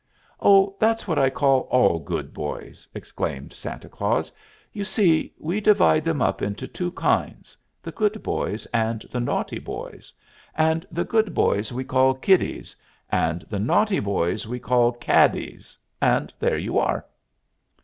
"Oh, that's what I call all good boys," explained Santa Claus. "You see, we divide them up into two kinds the good boys and the naughty boys and the good boys we call kiddies, and the naughty boys we call caddies, and there you are."